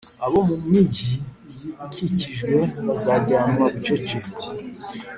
abo mu migi iyikikije bazajyanwa bucece.